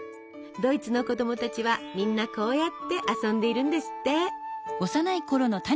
ドイツの子供たちはみんなこうやって遊んでいるんですって！